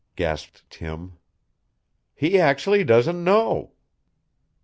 gasped Tim. "He actually doesn't know!"